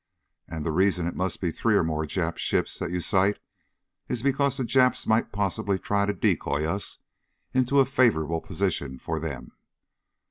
And the reason it must be three or more Jap ships that you sight is because the Japs might possibly try to decoy us into a favorable position for them.